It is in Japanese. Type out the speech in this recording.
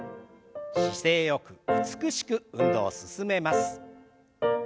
姿勢よく美しく運動を進めます。